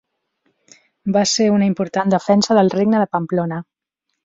Va ser una important defensa del regne de Pamplona.